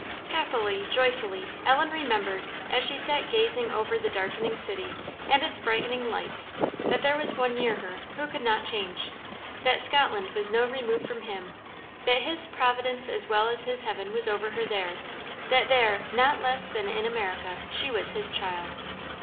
Happily, joyfully, Ellen remembered, as she sat gazing over the darkening city and its brightening lights, that there was One near her who could not change; that Scotland was no remove from him; that His providence as well as His heaven was over her there; that there, not less than in America, she was His child.